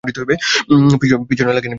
পিছনে লাগি নাই।